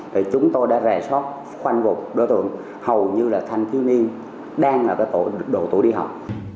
thì chúng tôi đã rè sót khoanh vụt đối tượng hầu như là thanh thiếu niên đang ở cái độ tuổi đi học